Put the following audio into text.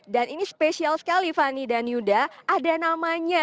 dan ini spesial sekali fani dan yuda ada namanya